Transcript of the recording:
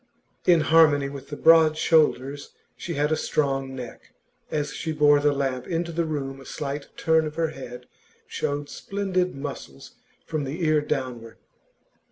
In harmony with the broad shoulders, she had a strong neck; as she bore the lamp into the room a slight turn of her head showed splendid muscles from the ear downward.